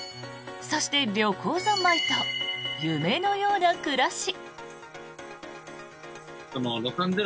そして旅行ざんまいと夢のような暮らし。